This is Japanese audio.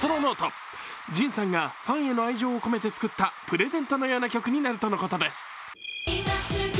ＪＩＮさんがファンへの愛情を込めてつくったプレゼントのような曲になるとのことです。